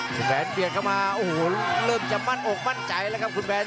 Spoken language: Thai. มีแฟนเบียดเข้ามาโอ้โหเริ่มจะมั่นอกมั่นใจแล้วครับคุณแผน